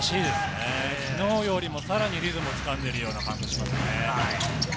昨日よりもさらにリズムを掴んでいる感じがします。